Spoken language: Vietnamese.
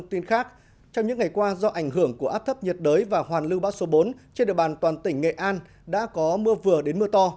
trong những ngày qua do ảnh hưởng của áp thấp nhiệt đới và hoàn lưu bão số bốn trên địa bàn toàn tỉnh nghệ an đã có mưa vừa đến mưa to